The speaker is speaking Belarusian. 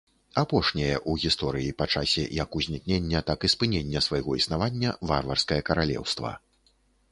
Апошняе ў гісторыі па часе як узнікнення, так і спынення свайго існавання варварскае каралеўства.